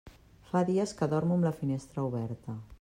Fa dies que dormo amb la finestra oberta.